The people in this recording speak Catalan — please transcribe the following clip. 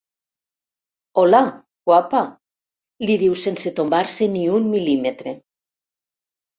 Hola, guapa —li diu sense tombar-se ni un mil·límetre—.